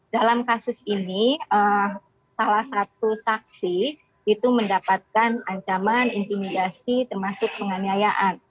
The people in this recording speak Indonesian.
dalam kasus ini salah satu saksi itu mendapatkan ancaman intimidasi termasuk penganiayaan